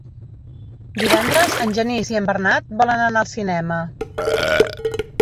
Divendres en Genís i en Bernat volen anar al cinema.